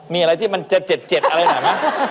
มีอะไรที่มันจะ๗๗อะไรหน่อยไหม